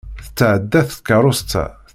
Tetɛedda tkeṛṛust-a!